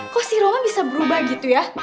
kok si ruangan bisa berubah gitu ya